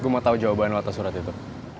gue mau tau jawaban lo atas surat itu